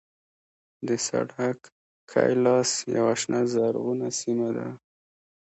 د سړک ښی لاس یوه شنه زرغونه سیمه ده.